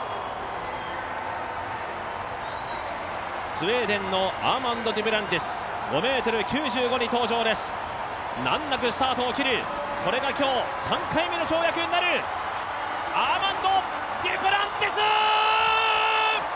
スウェーデンのアーマンド・デュプランティス、５ｍ９５に登場です、難なくスタートを切る、これが今日３回目の跳躍になる、アーマンド・デュプランティス。